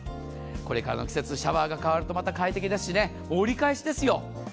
これからの季節シャワーが変わるとまた快適ですし折り返しですよ。